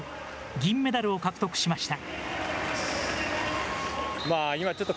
銀メダルを獲得しました。